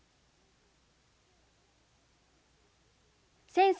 先生